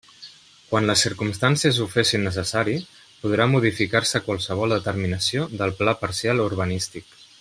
Quan les circumstàncies ho fessin necessari podrà modificar-se qualsevol determinació del Pla Parcial Urbanístic.